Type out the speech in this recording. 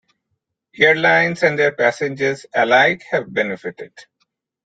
Airlines and their passengers alike have benefited.